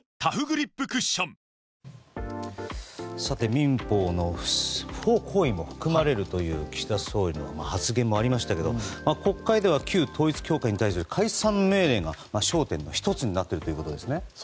民法の不法行為も含まれるという岸田総理の発言もありましたけど国会では旧統一教会に対する解散命令が焦点の１つになっているということですね。